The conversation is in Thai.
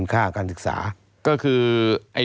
ตั้งแต่ปี๒๕๓๙๒๕๔๘